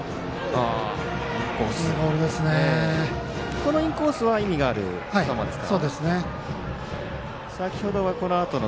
このインコースは意味がある球ですか。